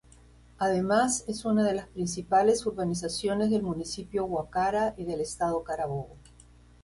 Además es una de las principales urbanizaciones del Municipio Guacara y del Estado Carabobo.